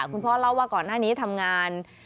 คุณพ่อเล่าว่าหลังจากนั้นนี้ทำงาน